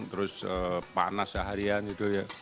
terus panas seharian gitu ya